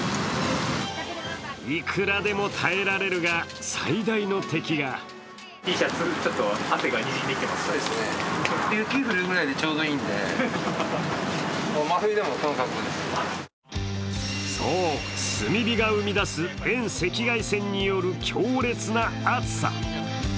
いくらでも耐えられるが最大の敵がそう、炭火が生み出す遠赤外線による強烈な暑さ。